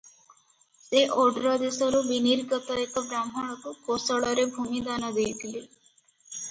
ସେ ଓଡ୍ରଦେଶରୁ ବିନିର୍ଗତ ଏକ ବ୍ରାହ୍ମଣକୁ କୋଶଳରେ ଭୂମି ଦାନ ଦେଇଥିଲେ ।